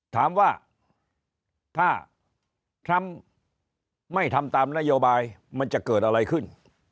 ถามว่าถ้าทรัมป์ไม่ทำตามนโยบายมันจะเกิดอะไรขึ้น